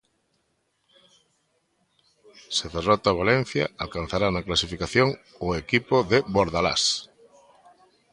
Se derrota o Valencia, alcanzará na clasificación o equipo de Bordalás.